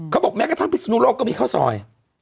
เขาบอกแม้กระทั่งพิษนุโรคก็มีข้าวซอย